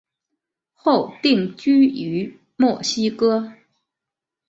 后定居于墨西哥。